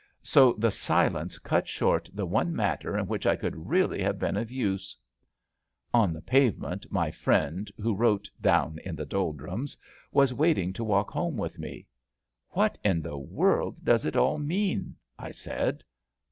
So the silence cut short the one matter in which I could really have been of use. On the pavement my friend who wrote Down in the Doldrums was waiting to walk home with me. What in the world does it all mean? " I said.